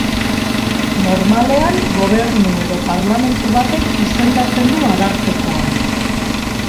Normalean gobernu edo parlamentu batek izendatzen du arartekoa.